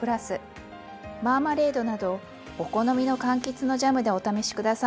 マーマレードなどお好みのかんきつのジャムでお試し下さいね。